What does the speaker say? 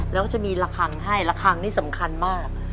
แล้วก็จะมีระคังให้ระคังนี่สำคัญมาก